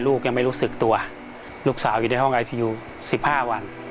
ลูกยังไม่รู้สึกตัวลูกสาวอยู่ในห้องไอซียู๑๕วัน